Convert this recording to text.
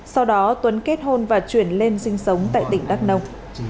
sau đó tuấn kết hôn và chuyển lên sinh sống tại tỉnh đắk nông